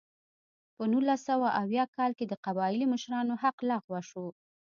په نولس سوه اویا کال کې د قبایلي مشرانو حق لغوه شو.